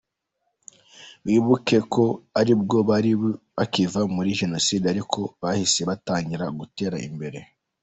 Wibuke ko aribwo bari bakiva muri Jenoside ariko bahise batangira gutera imbere.